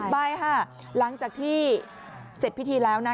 ใบค่ะหลังจากที่เสร็จพิธีแล้วนะ